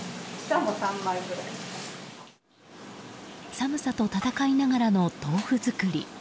寒さと闘いながらの豆腐作り。